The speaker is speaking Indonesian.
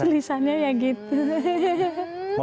selisahnya ya gitu